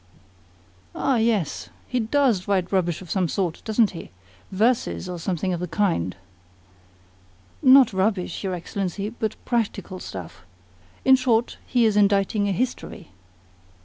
"Ah, yes; he DOES write rubbish of some sort, doesn't he? Verses, or something of the kind?" "Not rubbish, your Excellency, but practical stuff. In short, he is inditing a history."